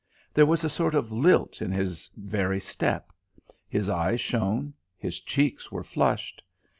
There was a sort of lilt in his very step; his eyes shone, his cheeks were flushed.